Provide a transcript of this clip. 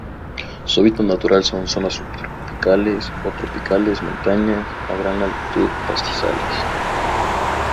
Su hábitat natural son: zonas subtropicales o tropicales montañas a gran altitud pastizales.